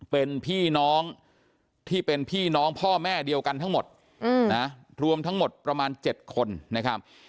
เป็นพี่น้องที่เป็นพี่น้องพ่อแม่เดียวกันทั้งหมดนะรวมทั้งหมดประมาณ๗คนนะครับ